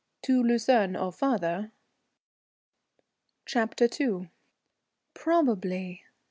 "To Lucerne or further?" CHAPTER II. "Probably."